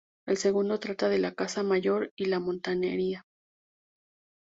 El segundo trata de la caza mayor y la montería.